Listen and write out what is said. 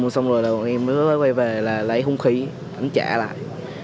xong rồi là bọn em mới quay về là lấy hung khí đánh chạ lại